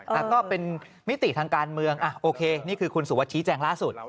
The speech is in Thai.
แต่ก็เป็นมิติทางการเมืองโอเคนี่คือคุณสุวัสดิชี้แจงล่าสุด